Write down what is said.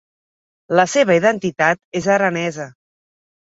La seva identitat és aranesa.